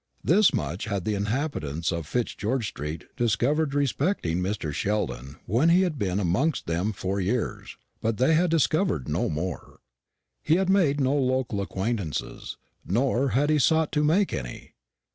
This much had the inhabitants of Fitzgeorge street discovered respecting Mr. Sheldon when he had been amongst them four years; but they had discovered no more. He had made no local acquaintances, nor had he sought to make any.